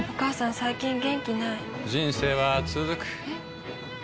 最近元気ない人生はつづくえ？